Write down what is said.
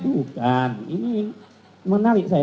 bukan ini menarik saya